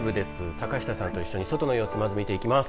坂下さんと一緒に外の様子まず見ていきます。